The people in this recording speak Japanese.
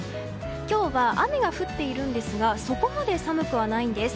今日は雨が降っているんですがそこまで寒くはないんです。